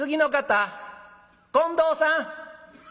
近藤さん！」。